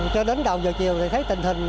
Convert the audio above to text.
cho đến đầu giờ chiều thì thấy tình hình